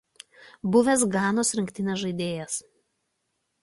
Buvęs Ganos rinktinės žaidėjas.